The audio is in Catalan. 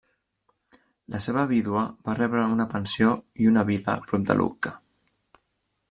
La seva vídua va rebre una pensió i una vila prop de Lucca.